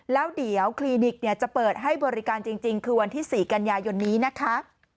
แล้วเดี๋ยวคลินิกจะเปิดให้บริการจริงคือวันที่๔กันยายนนี้นะคะ